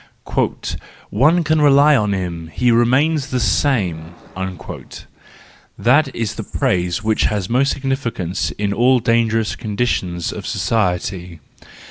" One can rely on him, he remains the same"—that is the praise which has most significance in all dangerous conditions of society.